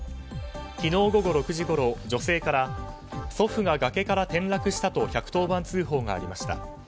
昨日午後６時ごろ、女性から祖父が崖から転落したと１１０番通報がありました。